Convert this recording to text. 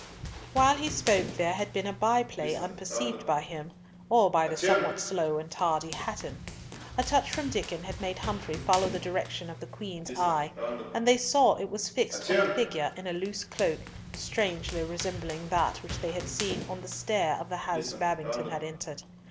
While he spoke there had been a by play unperceived by him, or by the somewhat slow and tardy Hatton. A touch from Diccon had made Humfrey follow the direction of the Queen's eye, and they saw it was fixed on a figure in a loose cloak strangely resembling that which they had seen on the stair of the house Babington had entered.